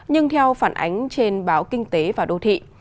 nhưng theo phản ánh trên báo kinh tế và đô thị